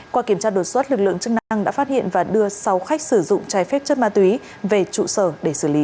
qua kiểm tra đột xuất lực lượng chức năng đã phát hiện và đưa sáu khách sử dụng trái phép chất ma túy về trụ sở để xử lý